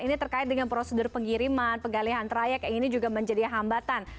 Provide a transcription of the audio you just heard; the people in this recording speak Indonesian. ini terkait dengan prosedur pengiriman penggalian trayek yang ini juga menjadi hambatan